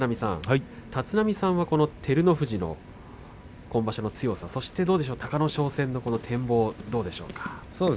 立浪さんは照ノ富士の今場所の強さ、そして隆の勝戦の展望はどうでしょうか。